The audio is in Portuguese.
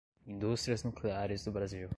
Indústrias Nucleares do Brasil